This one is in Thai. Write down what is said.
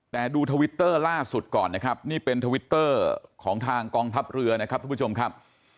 แต่ดูทวิตเตอร์ล่าสุดก่อนนะครับนี่เป็นทวิตเตอร์ของทางกองทัพเรือนะครับทุกผู้ชมครับ